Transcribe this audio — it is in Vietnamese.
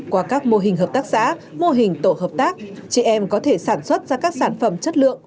qua các mô hình hợp tác xã mô hình tổ hợp tác chị em có thể sản xuất ra các sản phẩm chất lượng